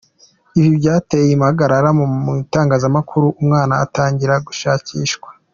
Ibi byateye impagarara mu itangazamakuru umwana atangira gushakishwa.